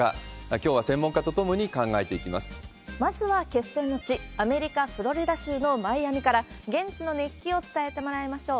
きょうは専門家とともに考えていまずは決戦の地、アメリカ・フロリダ州のマイアミから、現地の熱気を伝えてもらいましょう。